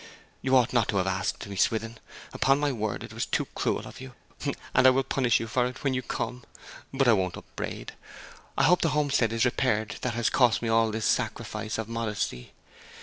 You ought not to have asked me, Swithin; upon my word, it was too cruel of you, and I will punish you for it when you come! But I won't upbraid. I hope the homestead is repaired that has cost me all this sacrifice of modesty.